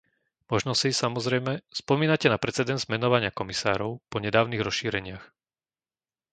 Možno si, samozrejme, spomínate na precedens menovania komisárov po nedávnych rozšíreniach.